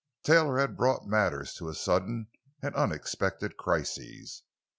Taylor had brought matters to a sudden and unexpected crisis.